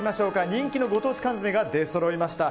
人気のご当地缶詰が出そろいました。